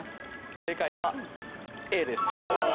正解はＡです。